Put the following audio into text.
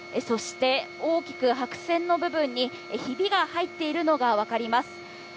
そして大きく白線の部分にヒビが入っているのがわかります。